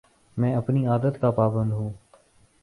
میں اپنی عادات کا پابند ہوں